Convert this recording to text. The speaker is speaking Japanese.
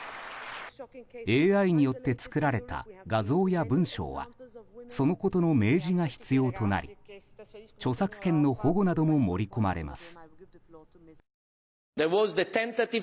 ＡＩによって作られた画像や文章はそのことの明示が必要となり著作権の保護なども盛り込まれます。